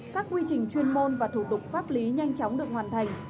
các quy trình chuyên môn và thủ tục pháp lý nhanh chóng được hoàn thành